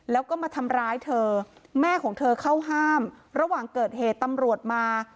แล้วก็มาทำร้ายเธอแม่ของเธอเข้าห้ามระหว่างเกิดเหตุตำรวจมา